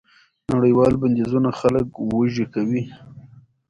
نړیوال بندیزونه خلک وږي کوي.